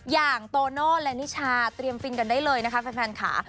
อย่างโตโน่และนิชาเตรียมฟินกันได้เลยนะคะแฟนค่ะ